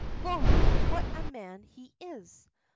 Glory! what a man he is!